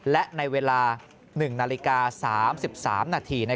และในเวลา๑นาฬิกา๓๓นาที